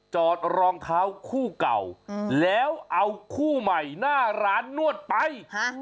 จอดรองเท้าคู่เก่าแล้วเอาคู่ใหม่หน้าร้านนวดไป